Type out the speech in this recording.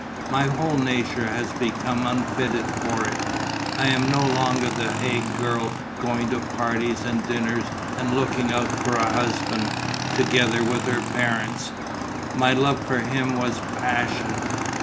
My whole nature has become unfitted for it. I am no longer the Hague girl going to parties and dinners and looking out for a husband, together with her parents.... My love for him was passion.